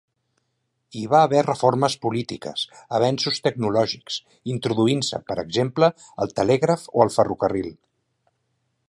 Hi va haver reformes polítiques, avenços tecnològics, introduint-se, per exemple, el telègraf o el ferrocarril.